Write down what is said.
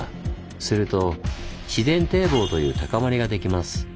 すると自然堤防という高まりができます。